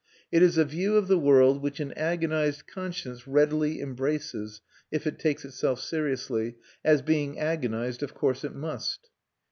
It is a view of the world which an agonised conscience readily embraces, if it takes itself seriously, as, being agonised, of course it must.